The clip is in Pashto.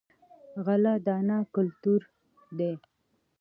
غله دانه کلتور دی.